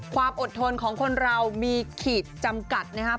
ความอดทนของคนเรามีขีดจำกัดนะครับ